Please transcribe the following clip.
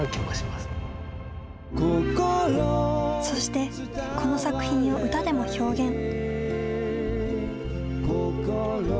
そして、この作品を歌でも表現。